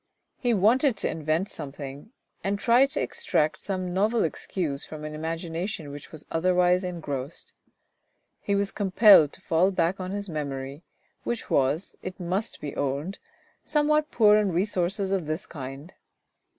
He wanted to invent something, and tried to extract some novel excuse from an imagination which was otherwise engrossed. He was com pelled to fall back on his memory, which was, it must be owned, somewhat poor in resources of this kind.